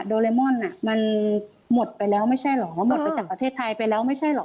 โลเลมอนมันหมดไปแล้วไม่ใช่เหรอหมดไปจากประเทศไทยไปแล้วไม่ใช่เหรอ